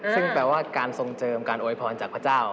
ซึ่งแปลว่าการทรงเจิมการโวยพรจากพระเจ้า